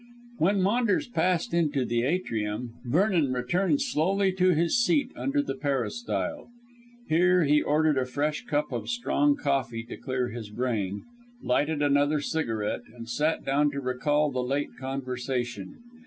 When Maunders passed into the atrium, Vernon returned slowly to his seat under the peristyle. Here he ordered a fresh cup of strong coffee to clear his brain, lighted another cigarette, and sat down to recall the late conversation.